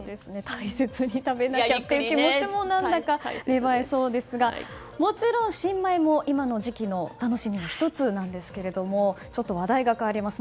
大切に食べないとという気持ちも芽生えそうですがもちろん新米も今の時期の楽しみの１つですが話題が変わります。